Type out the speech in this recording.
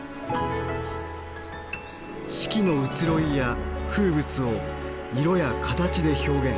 四季の移ろいや風物を色や形で表現。